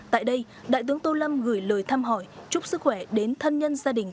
tại đây đại tướng tô lâm gửi lời thăm hỏi chúc sức khỏe đến thân nhân gia đình